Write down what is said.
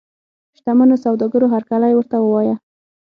شته منو سوداګرو هرکلی ورته ووایه.